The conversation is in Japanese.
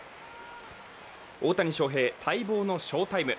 大谷翔平、待望の翔タイム。